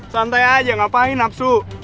santai aja ngapain hapsu